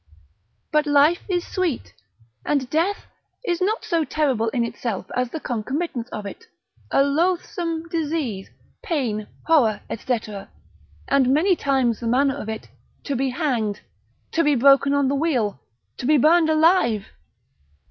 But life is sweet, and death is not so terrible in itself as the concomitants of it, a loathsome disease, pain, horror, &c. and many times the manner of it, to be hanged, to be broken on the wheel, to be burned alive.